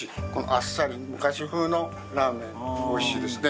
あっさり昔風のラーメンでおいしいですね